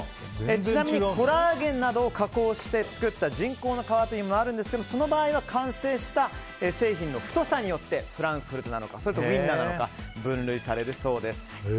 ちなみにコラーゲンなどを加工して作った人工の皮というのもあるんですがその場合は完成した製品の太さによってフランクフルトなのかウインナーなのか分類されるそうです。